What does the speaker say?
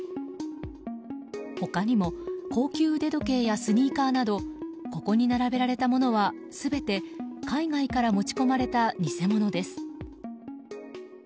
他にも高級時計やスニーカーなどここに並べられたものは全て海外から持ち込まれた偽物です。